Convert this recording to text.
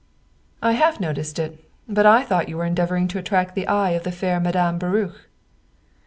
" I have noticed it, but I thought you were endeavoring to attract the eye of the fair Madame Baruch."